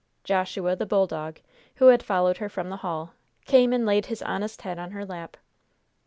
Joshua, the bulldog, who had followed her from the hall, came and laid his honest head on her lap.